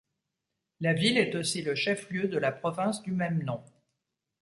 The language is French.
La ville est aussi le chef-lieu de la province du même nom.